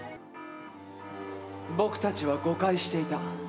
僕たちは誤解していた。